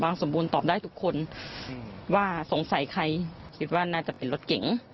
สมบูรณ์ตอบได้ทุกคนว่าสงสัยใครคิดว่าน่าจะเป็นรถเก๋ง